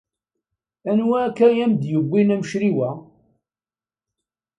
Anwa akka i am-d-yuwin amecriw-a?